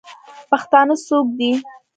پښتانه څوک دئ؟